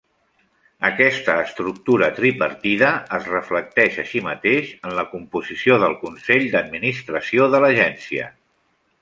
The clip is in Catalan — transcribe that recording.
Aquesta estructura tripartida es reflecteix així mateix en la composició del consell d'administració de l'Agència.